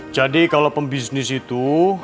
jadi kalau pembisnis itu